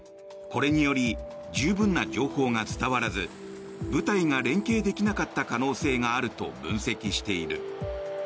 これにより十分な情報が伝わらず部隊が連携できなかった可能性があると分析している。